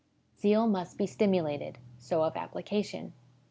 Zeal must be stimulated. So of application.